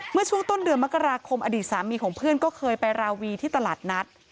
เมื่อช่วงต้นเดือนมกราคมอดีตสามีของเพื่อนก็เคยไปราวีที่ตลาดนัด